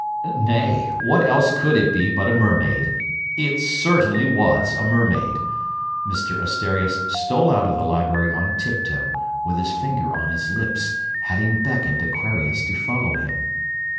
Nay, what else could it be but a mermaid? It certainly was a mermaid. Mr Asterias stole out of the library on tiptoe, with his finger on his lips, having beckoned Aquarius to follow him.